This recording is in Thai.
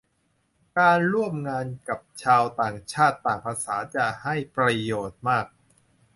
การร่วมงานกับชาวต่างชาติต่างภาษาจะให้ประโยชน์มาก